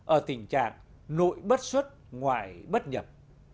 ở tình trạng nội bất xuất ngoại bất nhập